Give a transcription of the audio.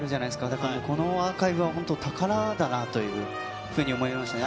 だからこのアーカイブは、本当、宝だなというふうに思いましたね。